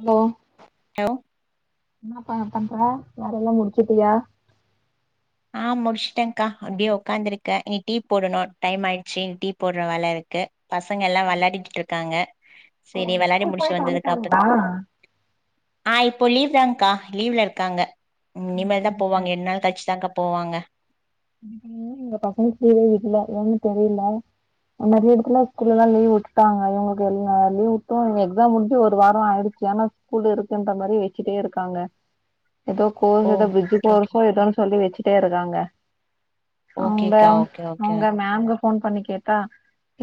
hello hello என்னாப்பா பண்ர வேல எல்லா முடிச்சிட்டியா ஆ முடிச்சுட்டேன்க்கா அப்டியே ஒக்காருக்கே இனி டீ போடணு டைம் ஆயிடுச்சு இனி டீ போட்ற வேல இருக்கு பசங்க எல்லா வெளாடிட்டு இருக்காங்க ஓ செரி வெளாடி ஸ்கூல் முடிச்சு போயிட்டு வந்ததுக்கு வன்ட்டாங்களா அப்பறொ ஆ இப்போ லீவ் தான்க்கா லீவ்ல இருக்காங்க இனிமேல் தா சரி சரி போவாங்க ரெண்டு நாள் கழிச்சுதாக்கா போவாங்க [inaudible] பசங்களுக்கு லீவே விடல ஏன்னு தெரியில நறைய எடத்துல ஸ்கூல்ல எல்லா லீவ் வுட்டுட்டாங்க இங்க எ லீவ் விட்டும் எக்ஸாம் முடிஞ்சி ஒரு வாரொ ஆயிடுச்சு ஆனா ஸ்கூலு இருக்குன்ற மாரி வெச்சிட்டே இருக்காங்க எதோ கோர்ஸ் ஓ எதோ ப்ரிஜ்ஜி கேக்கு கோர்ஸோ ஏதோன்னு சொல்லி வெச்சிட்டே இருக்காங்க அவுங்க ஓகேக்கா ஓகே ஓகே அவுங்க மேம்ங்க ஃபோன் பண்ணி கேட்டா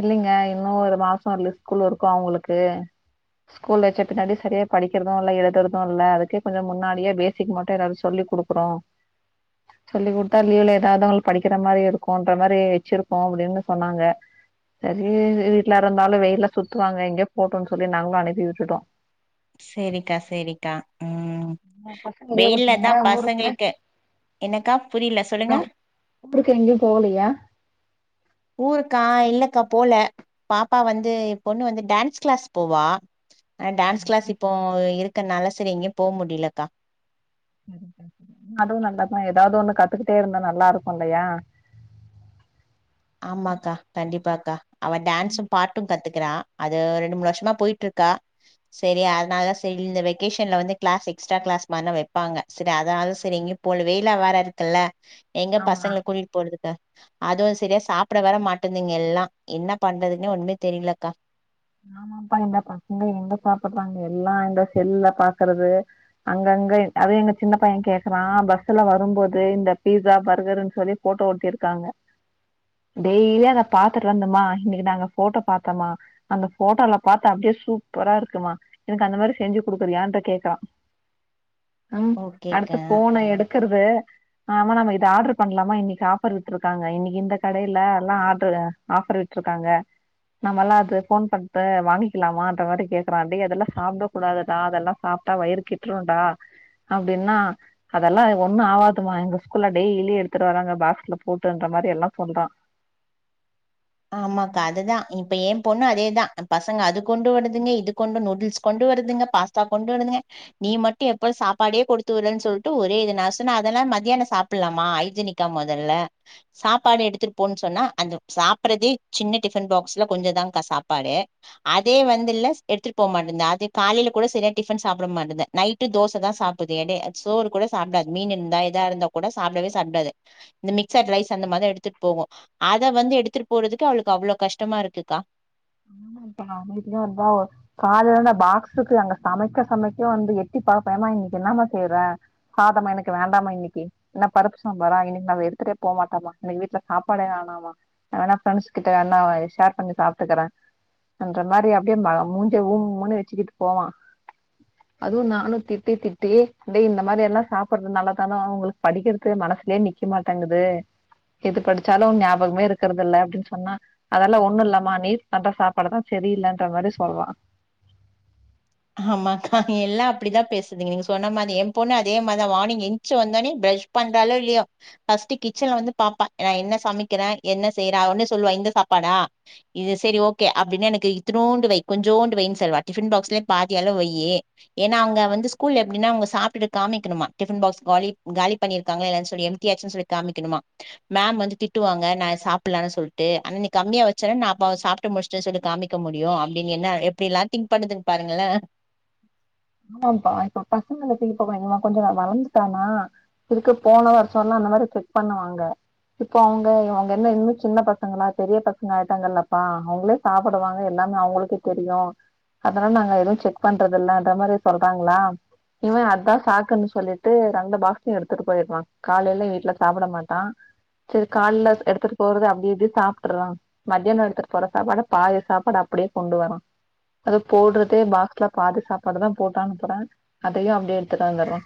இல்லிங்க இன்னு ஒரு மாசொ வரல ஸ்கூல் இருக்கூ அவுங்களுக்கு ஸ்கூல் வச்ச பின்னாடி சரியா படிக்கிறது இல்ல எழுதுறது இல்ல அதுக்கு கொஞ்ச முன்னாடியே பேஸ் சேரி மட்டு எதாது சொல்லி குடுக்குறோ சொல்லி குடுத்தா லீவுல ஏதாவ்துவங்க படிக்கிற மாரி இருக்கூன்ற மாரி வெச்சிருக்கோ அப்டின்னு சொன்னாங்க சரி வீட்ல இருந்தாலு வெயில்ல சுத்துவாங்க எங்கே போட்டோன்னு சொல்லி நாங்களு அனுப்பி விட்டுட்டோ செரிக்கா செரிக்கா ம் பசங்க லீவ் வெயில்ல விட்டாங்க தா ஊருக்கு பசங்களுக்கு என்னக்கா புரியில சொல்லுங்க ஊருக்கு எங்கயு போகலையா ஊருக்கா இல்லக்கா போல பாப்பா வந்து என் பொண்ணு வந்து டான்ஸ் கிளாஸ் போவா ஆனா டான்ஸ் கிளாஸ் இப்போ இருக்கனால சரி எங்கயும் போக முடியலக்கா சரி சரி சரி அதுவு நல்லாதா எதாவ்து ஒண்ணு கத்துக்கிட்டே இருந்தா நல்லாருக்கூ இல்லையா ஆமாக்கா கண்டிப்பாக்கா அவ டான்ஸூம் பாட்டுங்கத்துக்குறா அது ரெண்டு மூணு வருஷமா போயிட்ருக்கா செரி அதனாலதா செரி இந்த வெக்கேஷன்ல வந்து கிளாஸ் எக்ஸ்ட்ரா கிளாஸ் மாரிலா வெப்பாங்க சரி அதனால சரி எங்கயு போலு வெயிலா வேற இருக்குல்ல எங்க ஆமா பசங்கள கூட்டிட்டு போறதுப்ப அதுவு செரியா சாப்ட வேர மாட்டுதுங்க எல்லா என்ன பண்றதுன்னே ஒண்ணுமே தெரியிலக்கா ஆமாப்பா இந்த பசங்க எங்க சாப்புறாங்க எல்லா இந்த செல்ல பாக்குறது அங்கங்க எ அதா எங்க சின்ன பைய கேக்குறா பஸ்ஸுல வரும்போது இந்த பீஸா பர்கருன் சொல்லி ஃபோட்டோ ஓட்டிருக்காங்க டெய்லியு அத பாத்துட்டு வந்தம்மா இன்னிக்கு நாங்க ஃபோட்டோ பாத்தோம்மா அந்த ஃபோட்டோல பாத்த அப்டியே சூப்பரா இருக்குமா எனக்கு அந்த மாரி செஞ்சு குடுக்குறியான்ட்டு கேக்குறா ம் அடுத்து ஓகேக்கா ஃபோன எடுத் க்கிறது ஆமா நாம இத ஆர்டரு பண்ணலாமா இன்னிக் ஆஃபர் விட்டுருக்காங்க இன்னிக்கு இந்த கடையில எல்லா ஆட்ருத ஆஃபர் விட்ருக்காங்க நம்மல்லா அது ஃபோன் பண்ட்டு வாங்கிக்கலாமான்ற மாரி கேட்கறா டே அதெல்லா சாப்ட கூடாதுதா அதெல்லா சாப்ட்டா வயிறு கெ ட்ருன்டா அப்டின்னா அதெல்லா ஒண்ணு ஆவதுமா எங்க ஸ்கூல்ல டெய்லி எடுத்துட்டு வராங்க பாஸ்க்ல போட்டுன்ற மாரி எல்லா சொல்றா [inaudible] ஆமாக்கா அதுதா இப்ப எ பொண்ணு அதேதா பசங்க அது கொண்டு வருதுங்க இது கொண்டு நூடுல்ஸ் கொண்டு வருதுங்க பாஸ்தா கொண்டு வருதுங்க நீ மட்டு எப்பாரு சாப்பாடே கொடுத்து விறன் சொல்ட்டு ஒரே இது நா சொன்ன அதெல்லா மத்தியான சாப் புல்லாமா ஐஜீனிக்கா மொதல்ல சாப்பாடு எடுத்துட் போன் சொன்னா அந்த சா ப்புறதே சின்ன டிஃபன் பாக்ஸ்ல கொஞ்ச தான்க்கா சாப்பாடு அதே வந்தில்ல எடுத்துட்டு போ மாட்டன்து அது காலையில கூட செரியா டிஃபன் சாப்பிட மாட்டது நைட்டு தோசதா சாப்பிது எடே சோறு கூட சாப்டாத் மீன் இருந்தா எதா இருந்தா கூட சாப்டவே சாப்டாது இந்த மிக்சட் ரைஸ் அந்த மார்தா எடுத்துட் போகு அத வந்து எடுத்துட்டு போறதுக்கு அவளுக்கு அவ்ளோ கஷ்டமா இருக்குக்கா இப்பா நா அமைதியா இருந்தா அவ காலல நா பாக்ஸுக்கு அங்க சமைக்க சமைக்க வந்து எட்டி பாப்பனா இன்னிக்கு என்னாம செய்றே சாதமா எனக்கு வேண்டாம இன்னிக்கி என்ன பருப்பு சாம்பாரா இன்னிக் நா அது எடுத்துட்டே போமாட்டம்மா இன்னிக்கு வீட்ல சாப்பாடே வேணாமா வேணா ஃப்ரெண்ஸ் கிட்ட வேணா ஷேர் பண்ணி சாப்ட்டுக்குறே அன்ற மாரி அப்டியே மூஞ்ச உம்முனு வெச்சுக்கிட்டு போவா அதுவு நானு திட்டி திட்டி டே இந்த மாரியெல்லா சாப்பறதுனால தானோ உங்களுக் படிக்கிறது மனசுலே நி க்க மாட்டங்குது எது படிச்சாலு ஞாபகமே இருக்கிறதில்ல அப்டின் சொன்னா அதெல்லா ஒண்ணு இல்லாமா நீர் அதா சாப் பாடுதா செரியில்லன்ற மாரி சொல்வா ஆமாக்கா எல்லா அப்படிதா பேசுதுங்க நீங்க சொன்ன மாரி அது எ பொண்ணு அதே மாதா மானிங் எந்ச்சு வந்தோனே ப்ரெஷ் பண்றாலோ இல்லியோ பஸ்ட்டு கிச்சன்ல வந்து பாப்பே நா என்ன சமைக்கிறே என்ன செய்றா அவ வந்து சொல்வா இந்த சாப்பாடா இது செரி ஓகே அப்டின எனக்கு இத்துனோண்டு வை கொஞ்சோண்டு வைன் சொல்வா டிஃபின் பாக்ஸ்ல பாதி அளவு வெய்யு ஏன்னா அங்க வந்து ஸ்கூல எப்டினா அவுங்க சாப்டுட்டு காமிக்குணுமா டிஃபன் பாக்ஸ் காலி காலி பண்ணிருக்காங்க இல்லனு சொல்லி எம்டியாச்சுன் சொல்லி காமிக்கணுமா மேம் வந்து திட்டுவாங்க நா சாப்பிலனு சொல்ட்டு ஆனா நீ கம்மியா வெச்சன நா அப்ப சாப் ட்டு முஷ்ட்ட சொல்லி காமிக்க முடியு அப்டின் என்ன எப்படி எல்லா திங்க் பண்ணதுங் பாருங்களே ஆமாப்பா இப்ப பசங்களுக்கு இப்ப இவ கொஞ்ச நலல் வளந்துட்டானா இதுக்கு போன வருஷ ஆனா அந்த மாரி செக் பண்ணுவாங்க இப்போ அவுங்க அவுங்க என்ன இன்னு சின்ன பசங்களா பெரிய பசங்க ஆயிட்டாங்கல்லப்பா அவுங்ளே சாப்பிடுவாங்க எல்லாமே அவங்களுக்கே தெரியு அதனால நாங்க எதுவு செக் பண்றதில்லன்ற மாரி சொல்றாங்களா இவ அதா அதா சாக்குனு சொல்லி ட்டு ரண்டு பாக்ஸ்ல்யு ரன் எடுத்துட்டு போயிற்றா காலையில வீட்டல சாப்பிட மாட்டா சேரி கால்ல எடுத்துட்டு போறது அப்டி இப்டி சாப்டுற்றா மதியான எடுத்துட்டு போற சாப்பாட பாதி சாப்பாடு அப்டியே கொண்டு வரா அது போடுறதே பாக்ஸ்ல பாதி சாப்பாடுதா போட்டு அனுப்புறே அதையு அப்டியே எடுத்துட்டு வந்துடுறா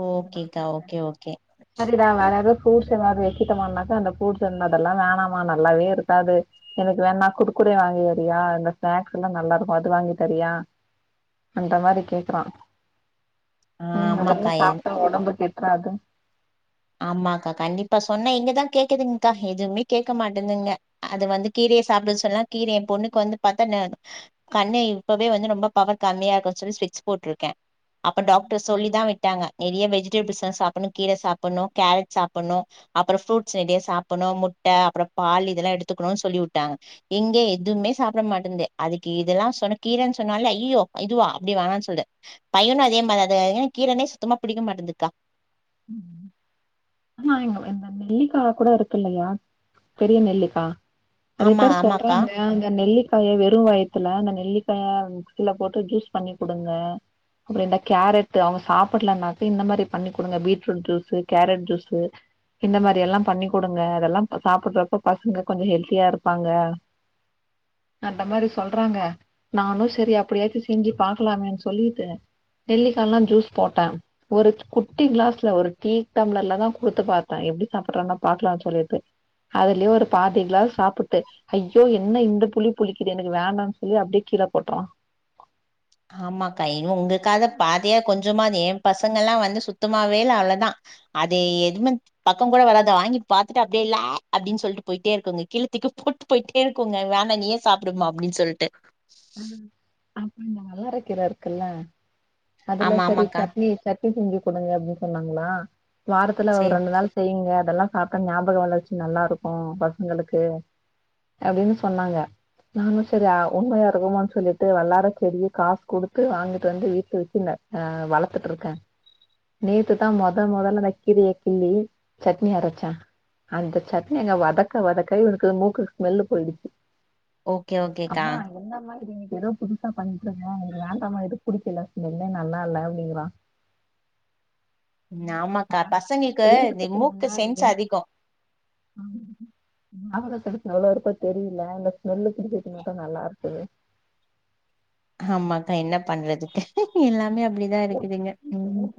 ஓகேக்கா ஓகே ஓகே சரிடா வேற எதாது ஃப்ரூட்ஸ் எதாது வைக்கட்டுமான்னாக்கா அந்த ஃப்ரூட்ஸ் வந்து அதெல்லா வேணாமா நல்லாவே இருக்காது எனக்கு வேணா குர்குரே வாங்கி தரியா இந்த ஸ்நாக்ஸ் எல்லா நல்லா இருக்கு அது வாங்கி தரியா அந்த மாரி கேக்குறா ஆ ம் அதெல்லா ஆமாக்கா எ- சாப்ட்டா ஒடம்பு கேட்ராது ஆமாக்கா கண்டிப்பா சொன்ன எங்கதா கேக்குதுங்க்கா எதுவுமே கேக்க மாட்டேதுங்க அது வந்து கீரைய சாப்டுனு சொன்னா கீரைய பொண்ணுக்கு வந்து பாத்தா நே கண்ணு இப்பவே வந்து ரொம்ப பவர் கம்மியா இருக்கு சொல்லி ஸ்பெஸ்க் போட்ருக்கே அப்ப டாக்டர் சொல்லிதா விட்டாங்க நெறைய வெஜிடபிள்ஸ்லா சாப்டணு கீர சாப் புணு கேரட் சாப்புணு அப்புறோ ஃப்ரூட்ஸ் நெறையா சாப்புட்ணு முட்ட அப்புறோ பால் இதெல்லா எடுத்துக்கணு சொல்லி வுட்டாங்க எங்க எதுவுமே சாப்பிட மாட்டேந்து அதுக்கு இதெல்லா சொன்ன கீரன்னு சொன்னால ஐயய்யோ இதுவா அப்டி வோனான்னு சொல்து பையனு அதே மாரிதாங்க கீரனே சுத்தமா பிடிக்க மாட்டேன்துக்கா ம் ஆனா எங்க இந்த நெல்லிக்கா கூட இருக்கு இல்லயா பெரிய நெல்லிக்கா நெறைய ஆமா பேர் ஆமாக்கா சொல்றாங்க அங்க நெல்லி காய வெறு வயித்துல அந்த நெல்லிக்காய மிக்சில போட்டு ஜூஸ் பண்ணி குடுங்க அப்புறோ இந்த கேரட் அவங்க சாப்புட்லானாக்க இந்த மாரி பண்ணி குடுங்க beat fruit juice carrot juice இந்த மாறியெல்லா பண்ணி கொடுங்க அதெல்லா சாப்புடுறப்ப பசங்க கொஞ்ச ஹெல்த்தியா இருப்பாங்க அந்த மாரி சொல்றாங்க நானு சேரி அப்டியாச்சு செஞ்சு பாக்கலாமேன்னு சொல்லிட்டு நெல்லிக்கால்லா ஜூஸ் போட்டே ஒரு குட்டி கிளாஸ் ல ஒரு டீ டம்ளர்லதா கொடுத்து பாத்தே எப்டி சாப்புடுறாங்க பாக்கலானு சொல்லிட்டு அதுலயே ஒரு பாதி கிளாஸ் சாப்புட்டு ஐயோ என்ன இந்த புளி புளிக்குது எனக்கு வேண்டானு சொல்லி அப்டியே கீழே போட்டுறா ஆமாக்கா இனி உங்களுக்காது பாதியா கொஞ்சமாது எ பசங்க எல்லா வந்து சுத்தமாவே இல்ல அவ்ளதா அதே எதுவு பக்க கூட வராது வாங்கி பாத்துட்டு அப்டியே இல்ல ஆ அப்டின்னு சொல்ட்டு போயிட்டே இருக்குங்க கீழ தூக்கி போட் டு போயிட்டே இருக்குங்க வேணா நீயே சாப்டுமா அப்டின் சொல்ட்டு ஆ அப்புற இந்த வல்லரைக் கீர இருக்குல்ல அதுல ஆமா சரி ஆமாக்கா சட்னி சட்னி செஞ்சு கொடுங்க அப்டி சொன்னாங்களா வாரத்துல ஒரு சேரி ரெண்டு நாள் செய்ங்க அதெல்லா சாப்ட்ட ஞாபக வளர்ச்சி நல்லா இருக்கு பசங்களுக்கு அப்டின்னு சொன்னாங்க நானு செரி ஆ உண்மையா இருக்குமான்னு சொல்லிட்டு வல்லார செடிய காசு குடுத்து வாங்கிட்டு வந்து வீட்ல வெ க்குல ஆ வளத்துட் இருக்கே நேத்துதா மொத மொதல்ல அந்த கீரைய கிள்ளி சட்னி அரச்சே அந்த சட்னி நா வதக்க வதக்க எனக்கு மூக்கு ஸ்மெல்லு போயிடுச்சு ஓகே ஓகேக்கா என்ன மா இது நீங்க ஏதோ புதுசா பண்ணிட்டு இருக்க இது வேண்டாமா இது புடிக்கல ஸ்மெல்லே நல்லா இல்ல அப்டிங்குறா ஆமாக்கா பசங்களுக்கு இந்த செய்யறதுக்கு மூக்கு சென்ஸ் அதிகொ ஆமா ம் அவளுக்கடுத்து எவளோ இருக்கோ தெரியல இந்த ஸ்மெல்லு குடிக்கிறதுக்கு மட்டு நல்லா இருக்குது ஆமாக்கா என்ன பண்றதுக்கா எல்லாமே அப்டிதா இருக்குது இங்க ம் [inaudible]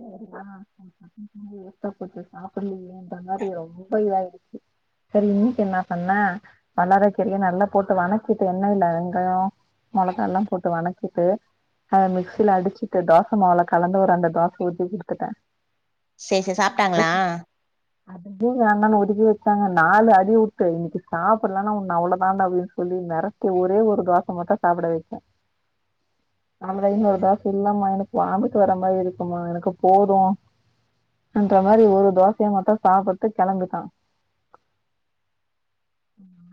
சாப்பிட்ரியா இல்லயான்ற மாரி ரொம்ப இதாயிருச்சு செரி இன்னைக்கு என்ன பண்ண வல்லார கீரைய நல்லா போட்டு வணக்கிட்டு எண்ணெய்ல வெங்காய மெளகாலா போட்டு வணக்கிட்டு அத மிக்சில அடிச்சுட்டு தோச மாவுல கலந்து ஒரு ரெண்டு தோச ஊத்தி குடுத்துட்டே சேரி சேரி சாப்ட்டாங்ளா அதும் கீர வேண்டானு ஒதுக்கி வச்சாங்க நாலு அடி வுட்டு இன்னைக்கு சாப்பிட்லனா உன்ன அவ்வளோதான்டா அப்டின்னு சொல்லி மெரட் டி ஒரே ஒரு தோச மட்டு சாப்புட வெச்சே அவனே இன்னொரு தோச இல்லாம எனக் வாமிட் வர மாரி இருக்குமா எனக்கு போது அந்த மாரி ஒரு தோசைய மட்டு சாப்புட்டு கெளம்பிட்டா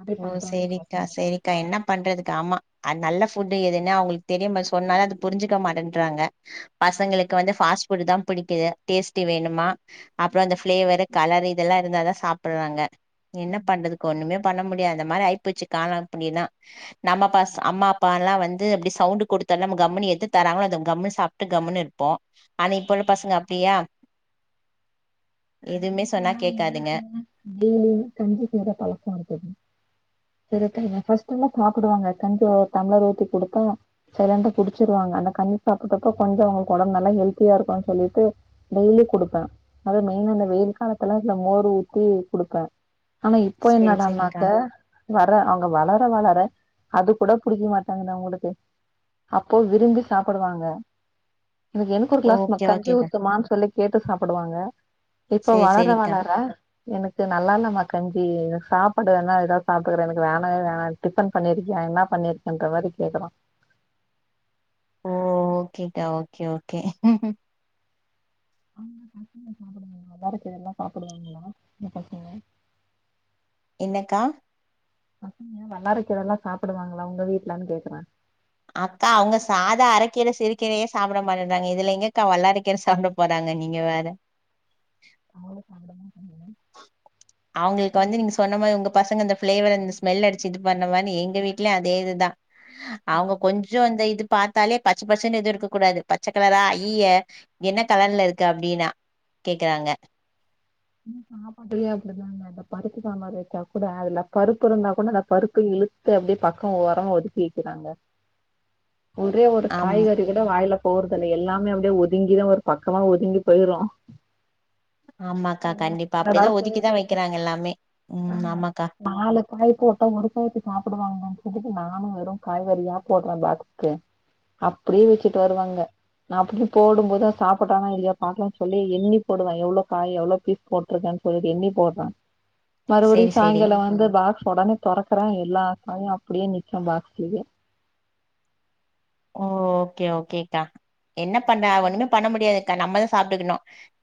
அப்டி ஓ பண்றாங்க சேரிக்கா பசங்க சேரிக்கா என்ன பண்றதுக்கா‌ ஆமா ஆ நல்ல ஃபுட்டு் எதுன்னு அவ்ங்களுக்கு தெரிய மாட் சொன்னாலு அத புரிஞ்சுக்க மாட்டேன்றறாங்க பசங்களுக்கு வந்து ஃபாஸ்ட் ஃபுட்டு தா புடிக்குது டேஸ்ட்டி வேணுமா அப்றோ அந்த ஃப்ளேவரு கலரு இதெல்லா இருந்தாதா சாப்பிட்றாங்க என்ன பண்றதுக்கு ஒர்னுமே பண்ண முட்ல் ஏ அந்த மாரி ஆய்ப்போச்சு காலம் இப்டினா நம்ம பஸ் அம்மா அப்பாலா வந்து அப்டி சவுண்ட் குடுத்தோன நம்ம கம்முனு எடுத்து தராங்களோ அத கம்முனு சாப் ட்டு கம்முனு இருப்போ ஆனா இப்ப உள்ள பசங்க அப்டியா எதுமே சொன்னா கேக்காதுங்க ம் டெய்லி கஞ்சி போட்ற பழக்கோ இருக்குதா இருக்குங்க ஃபஸ்டெல்லா சாப்டுவாங்க கஞ்சி ஒரு டம்ளர் ஊத்தி குடுத்தா செரின்ட்டு குடிச்சிருவாங்க அந்த கஞ்சி சாப்பிட்டப்ப கொஞ்ச அவங்களுக்கு ஒடம்பு நல்லா ஹெல்தியா இருக்குன் சொல்லிட்டு டெய்லி குடுப்பே அதுமே இன்று இந்த வெயில் காலத்துல இதுல மோர் ஊத்தி குடுப்பே ஆனா இப்போ சேரி என்னடான்னாக்க சேரிக்கா வர அவ்ங்க வளர வளர அது கூட புடிக்க மாட்டேங்குது அவ்ங்களுக்கு அப்போ விரும்பி சாப்புடுவாங்க எனக்கு எனக்கு ஒரு கிளாஸ்மா ஓகே கஞ்சி ஓகேக்கா ஊத்துமான் சொல்லி கேட்டு சாப்புடுவாங்க இப்ப சேரி வளர சேரிக்கா வளர எனக்கு நல்லா இல்லமா கஞ்சி எனக்கு சாப்பாடு வேணா எதாவ்து சாப்ட்டுக்குறே எனக்கு வேணவே வேணா டிஃபன் பண்ணிருக்கியா என்னா பண்ணிருக்கன்ற மாரி கேக்குறா சேரிடா ஓகே ஓகே ஒங்க பசங்க சாப்டுவாங்களா வல்லார கீரயெல்லா சாப்டுவாங்களா உங்க பசங்க என்னக்கா பசங்க வல்லாரக் கீரலா சாப்டுவாங்களா உங்க வீட்லன் கேக்குறே அக்கா அவ்ங்க சாதா அரக்கீர சிறுகீரையே சாப்ட மாட்டேன்றாங்க இதுல எங்கக்கா வல்லாரக்கீர சாப்டப் போறாங்க நீங்க வேற அதனால [inaudible] அவ்ங்களுக்கு வந்து நீங்க சொன்ன மாரி உங்க பசங்க இந்த பிளேவர் அந்த ஸ்மெல் அடிச்சு இது பண்ணுவானு எங்க வீட்லயு அதே இதுதா அவ்ங்க கொஞ்ச அந்த இது பாத்தாலே பச்ச பசேன்னு எதுவு இருக்க கூடாது பச்ச கலரா ஐயய்ய என்ன கலர்ல இருக்கு அப்டினா கேக்குறாங்க [unintelligible] சாப்பாட்லியு அப்டிதா மேம் அந்த பருப்பு சாம்பார் வச்சா கூட அதுல பருப்பு இருந்தா கூட அந்த பருப்பு இழுத்து அப்டியே பக்கோ ஓரமா ஒதுக்கி வக்கிறாங்க ஒரே ஒரு ஆம் காய்க கூட வாயில போறதில்ல எல்லாமே அப்டியே ஒதுங்கிதா ஒரு பக்கமா ஒதுங்கி போய்ரு ஆமாக்கா கண்டிப்பா என்னடா அப்டிதா ஒதுக்கி தா செய்யறது வைக்கிறாங்க எல்லாமே ம் ஆமாக்கா நாலு காய் போட்டா ஒரு காயாச்சு சாப்டுவாங்கன்னு சொல்லிட்டு நானு வெறு காய்கறியா போட்ற பா அப்டியே வச்சுட்டு வருவாங்க நா அப்டி போடும்போது சாப்பட்டானா இல்லயா பாக்கலா சொல்லி எண்ணி போடுவ எவ்ளோ காய் எவ்ளோ தூக் போட்ருக்கேன்னு சொல்லிட்டு எண்ணி போட்ற மறுபடி சேரி சேரி சாயங்காலோ வந்து பாக்ஸ் ஒடனே தொறக்கற எல்லா காயு அப்டே நிக்கு பாக்ஸ்லயே ஓ ஓகே ஓகேக்கா என்ன பண்ண ஒண்ணுமே பண்ண முடியாதுக்கா நம்மதா சாப்ட்டுக்கணு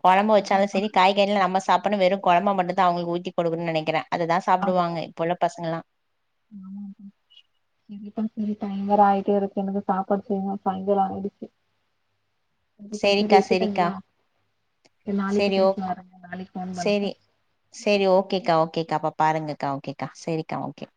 கொழம்ப வச்சாலு சரி காய்கறில நம்ம சாப்பட்ணு வெறு கொழம்ப மட்டுதா அவுங்ளுக்கு ஊத்தி கொடுக்குணுனு நெனக்கிற அதுதா அது சாப்டுவாங்க இப்ப உள்ள பசங்கலா [inaudible] சரி பா சரி டைம் வேற ஆயிட்டேருக்கு எனக்கு சாப்பாடு செய்யணு சாய்ங்காலோ ஆயிடுச்சு கண்டிப்பா சரி சேரிக்கா சேரிக்கா வைக்கட்டுங்களா நாளைக்கு சேரி பேசலா வர நாளைக்கு ஃபோன் பண்ற சரி ஓகேக்கா ஓகேக்கா அப்ப பாருங்கக்கா ஓகேக்கா சரிக்கா ஓகே